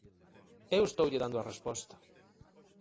Eu estoulle dando a resposta.